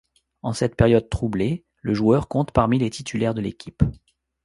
En cette période troublée, le joueur compte parmi les titulaires de l'équipe.